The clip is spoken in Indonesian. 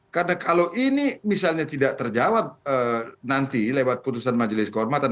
karena kalau ini misalnya tidak terjawab nanti lewat putusan majelis kehormatan